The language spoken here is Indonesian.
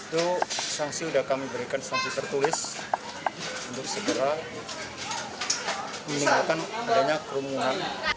itu sanksi sudah kami berikan sanksi tertulis untuk segera menimbulkan adanya kerumunan